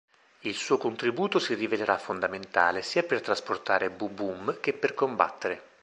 Il suo contributo si rivelerà fondamentale sia per trasportare Bu-Bum che per combattere.